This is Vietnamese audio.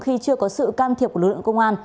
khi chưa có sự can thiệp của lực lượng công an